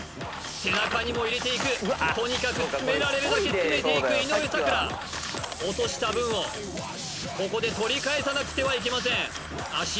背中にも入れていくとにかく詰められるだけ詰めていく井上咲楽落とした分をここで取り返さなくてはいけません